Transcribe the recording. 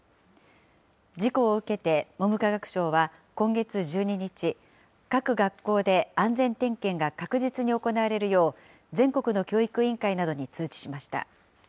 事故を受けて文部科学省は今月１２日、各学校で安全点検が確実に行われるよう、全国の教育委員会などに通知しました。